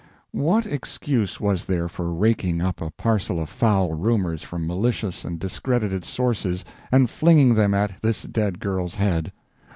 What excuse was there for raking up a parcel of foul rumors from malicious and discredited sources and flinging them at this dead girl's head?